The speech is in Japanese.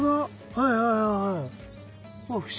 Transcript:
はいはいはいはい。